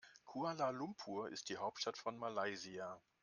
Kuala Lumpur ist die Hauptstadt von Malaysia.